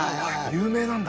有名なんだ。